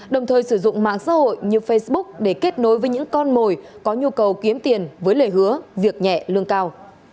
đồng thời sử dụng mạng xã hội như facebook để kết nối với những con mồi có nhu cầu kiếm tiền với lời hứa việc nhẹ lương cao